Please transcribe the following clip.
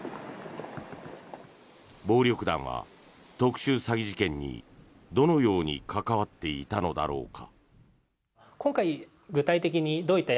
暴力団は特殊詐欺事件にどのように関わっていたのだろうか。